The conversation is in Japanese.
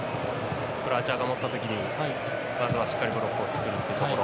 クロアチアが持ったときにまずはしっかりブロックを作るっていうところ。